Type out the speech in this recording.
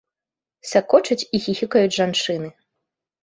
Сакочуць і хіхікаюць жанчыны.